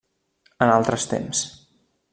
En altres temps.